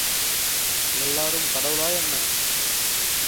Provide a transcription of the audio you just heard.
எல்லாரும் கடவுளா என்ன?